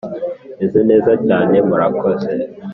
meze neza cyane, murakoze.